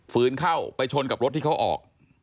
ืนเข้าไปชนกับรถที่เขาออก